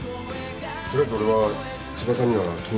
取りあえず俺は千葉さんには気に入られてる。